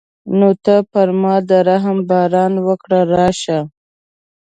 نو ته پر ما د رحم باران وکړه راشه.